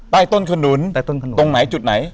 ใต้ต้นขนุนตรงไหนจุดไหน